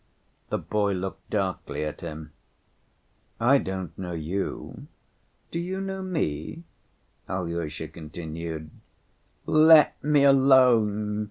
The boy looked darkly at him. "I don't know you. Do you know me?" Alyosha continued. "Let me alone!"